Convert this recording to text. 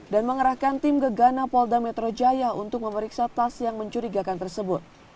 dan mengerahkan tim gegana polda metro jaya untuk memeriksa tas yang mencurigakan tersebut